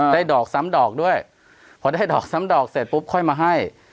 ดอกซ้ำดอกด้วยพอได้ดอกซ้ำดอกเสร็จปุ๊บค่อยมาให้